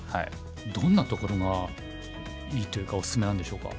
どんなところがいいっていうかおすすめなんでしょうか。